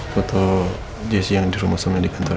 foto jesse yang di rumah sama yang di kantor